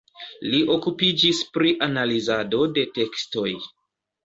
Li okupiĝis pri analizado de tekstoj.